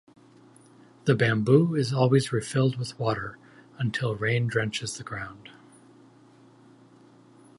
The bamboo is always refilled with water until rain drenches the ground.